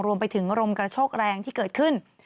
รวมไปถึงลมกระโชกแรงที่เกิดขึ้น